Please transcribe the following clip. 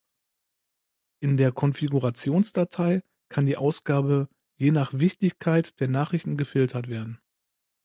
In der Konfigurationsdatei kann die Ausgabe je nach "Wichtigkeit" der Nachrichten gefiltert werden.